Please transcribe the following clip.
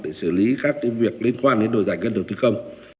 để xử lý các việc liên quan đến đổi giải ngân đầu tư công